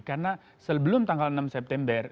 karena sebelum tanggal enam september